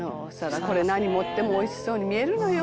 「これ何盛っても美味しそうに見えるのよ」